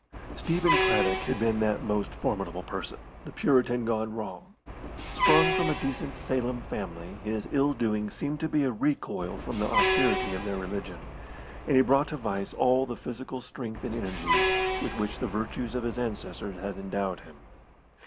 Stephen Craddock had been that most formidable person, the Puritan gone wrong. Sprung from a decent Salem family, his ill doing seemed to be a recoil from the austerity of their religion, and he brought to vice all the physical strength and energy with which the virtues of his ancestors had endowed him.